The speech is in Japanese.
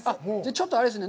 ちょっとあれですね。